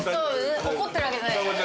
怒ってるわけじゃないです